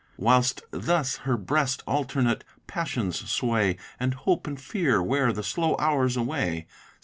Whilst thus her breast alternate passions sway, And hope and fear wear the slow hours away.